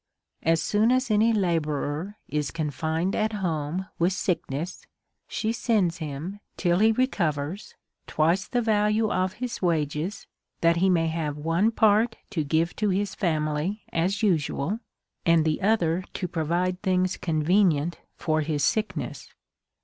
As soon as any labourer is confined at home with sickness, she sends him, till he recovers, twice the value of his wages, that he may have one part to give to his family, as usual, and the other to provide things convenient for his sickness.